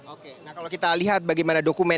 oke nah kalau kita lihat bagaimana dokumen